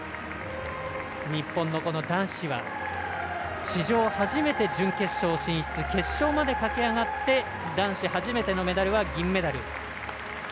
日本の男子は史上初めて準決勝進出決勝まで駆け上がって男子初めてのメダルは銀メダル。